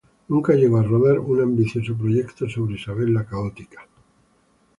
Nunca llegó a rodar un ambicioso proyecto sobre Isabel la Católica.